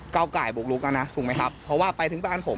เก้าไก่บุกลุกแล้วนะถูกไหมครับเพราะว่าไปถึงบ้านผม